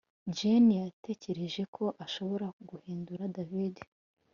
Jane yatekereje ko ashobora guhindura David